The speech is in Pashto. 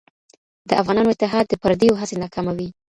د افغانانو اتحاد د پرديو هڅې ناکاموي.